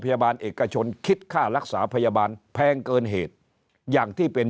พยาบาลเอกชนคิดค่ารักษาพยาบาลแพงเกินเหตุอย่างที่เป็น